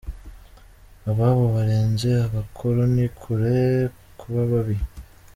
Ababo barenze abakoroni kure kuba babi.